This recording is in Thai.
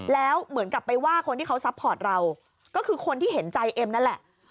แล้วเหมือนกับไปว่าคนที่เขาซัพพอร์ตเราก็คือคนที่เห็นใจเอ็มนั่นแหละ